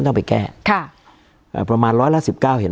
การแสดงความคิดเห็น